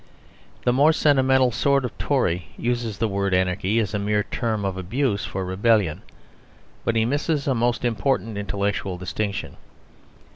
The more sentimental sort of Tory uses the word anarchy as a mere term of abuse for rebellion; but he misses a most important intellectual distinction.